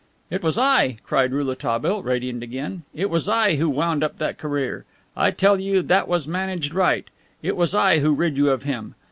"It was I," cried Rouletabille, radiant again. "It was I who wound up that career. I tell you that was managed right. It was I who rid you of him.